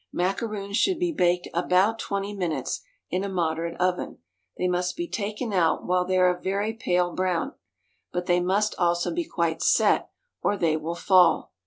Macaroons should be baked about twenty minutes in a moderate oven. They must be taken out while they are a very pale brown, but they must also be quite "set," or they will fall.